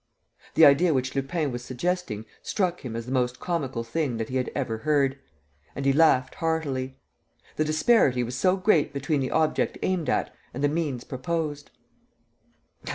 The idea which Lupin was suggesting struck him as the most comical thing that he had ever heard; and he laughed heartily. The disparity was so great between the object aimed at and the means proposed!